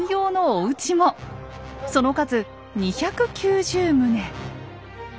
その数２９０棟。